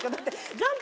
ジャンプ！